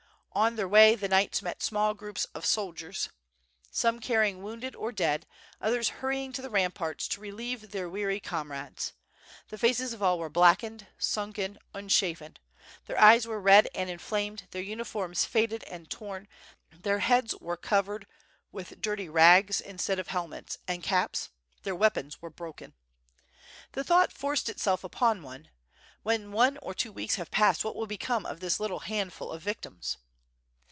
On their way the knights met small groups of soldiers, some carrying wounded or dead, otliers hurrying to the ramparts to relieve their weary comrades. The faces of all were blackened, sunken, unshaven; their eyes were red and inflamed, their uniforms faded and torn, their heads were covered with dirty rags instead of helmets and caps, their weapons were broken. The thought forced itself upon one, "when one or two weeks have passed what will become of this little handful of victims?"